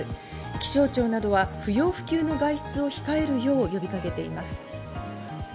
気象庁などは不要不急の外出を控えるよう呼びかけています。